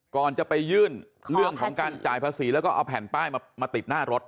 ก่อนจะไปยื่นเรื่องของการจ่ายภาษีแล้วก็เอาแผ่นป้ายมาติดหน้ารถ